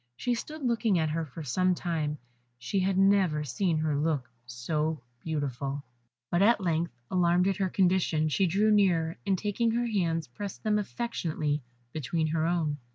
She stood looking at her for some time, she had never seen her look so beautiful; but at length, alarmed at her condition, she drew nearer, and taking her hands, pressed them affectionately between her own.